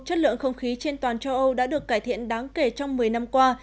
chất lượng không khí trên toàn châu âu đã được cải thiện đáng kể trong một mươi năm qua